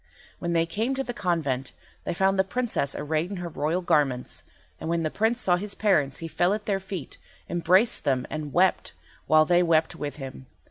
When they came to the convent they found the Princess arrayed in her royal garments; and when the Prince saw his parents he fell at their feet, embraced them and wept, while they wept with him.